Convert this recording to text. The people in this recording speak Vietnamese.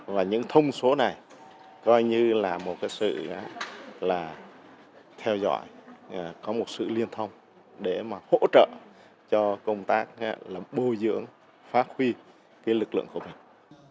và những thông số này coi như là một cái sự là theo dõi có một sự liên thông để mà hỗ trợ cho công tác là bồi dưỡng phát huy cái lực lượng của mình